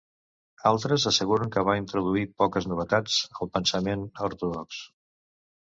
Altres asseguren que va introduir poques novetats al pensament ortodox.